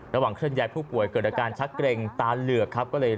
เคลื่อนย้ายผู้ป่วยเกิดอาการชักเกร็งตาเหลือกครับ